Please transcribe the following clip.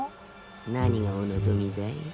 何をお望みだい？